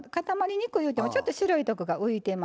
にくいいうてもちょっと白いとこが浮いてます。